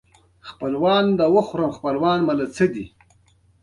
هېڅکله يوه ډېره اوږده موده ګڼل کېږي.